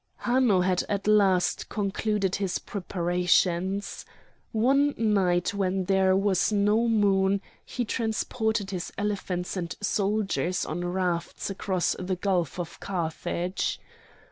Hanno had at last concluded his preparations. One night when there was no moon he transported his elephants and soldiers on rafts across the Gulf of Carthage.